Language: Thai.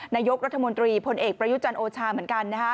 นายกรัฐมนตรีพลเอกประยุจันทร์โอชาเหมือนกันนะฮะ